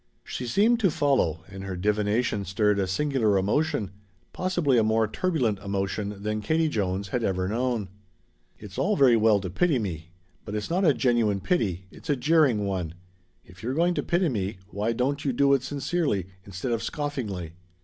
She seemed to follow, and her divination stirred a singular emotion, possibly a more turbulent emotion than Katie Jones had ever known. "It's all very well to pity me, but it's not a genuine pity it's a jeering one. If you're going to pity me, why don't you do it sincerely instead of scoffingly?